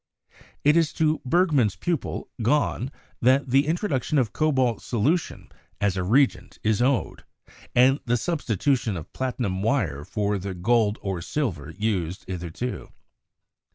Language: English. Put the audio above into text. It is to Bergman's pupil Gahn that the introduction of cobalt solution as a reagent is owed, and the substitution of platinum wire for the gold or silver used hitherto.